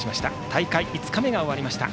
大会５日目が終わりました。